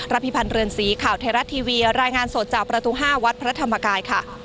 พิพันธ์เรือนสีข่าวไทยรัฐทีวีรายงานสดจากประตู๕วัดพระธรรมกายค่ะ